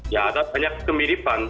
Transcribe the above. ya ada banyak kemiripan